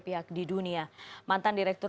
pihak di dunia mantan direktur